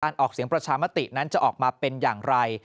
ออกเสียงประชามตินั้นจะออกมาเป็นอย่างไร